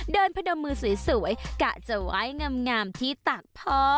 พนมมือสวยกะจะไหว้งามที่ตากพ่อ